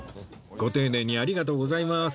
ご丁寧にありがとうございます